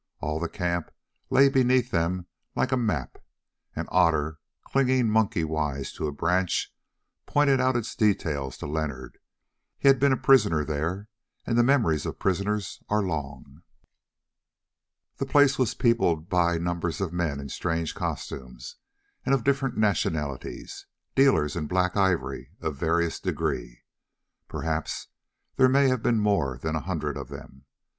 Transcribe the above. All the camp lay beneath them like a map, and Otter, clinging monkey wise to a branch, pointed out its details to Leonard. He had been a prisoner there, and the memories of prisoners are long. The place was peopled by numbers of men in strange costumes, and of different nationalities; dealers in "black ivory" of various degree. Perhaps there may have been more than a hundred of them.